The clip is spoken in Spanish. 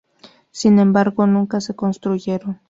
Sin embargo nunca se construyeron.